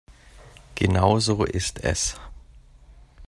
Genau so ist es.